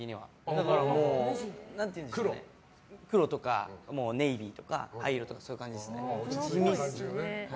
だから、黒とかネイビーとか灰色とかの感じです。